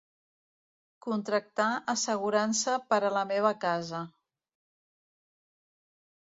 Contractar assegurança per a la meva casa.